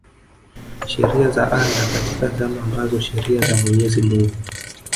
sheria za Allah katika zama ambazo sheria za Mwenyezi Mungu